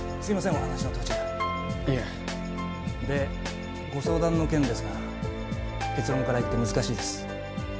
お話の途中にいえでご相談の件ですが結論から言って難しいです